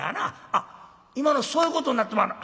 「あっ今のそういうことになってまんの？